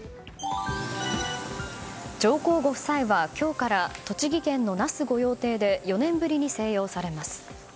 上皇ご夫妻は今日から栃木県の那須御用邸で４年ぶりに静養されます。